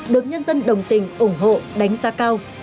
được nhân dân đồng tình ủng hộ đánh giá cao